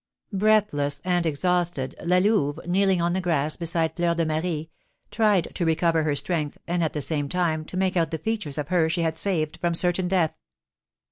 Breathless and exhausted, La Louve, kneeling on the grass beside Fleur de Marie, tried to recover her strength, and, at the same time, to make out the features of her she had saved from certain death.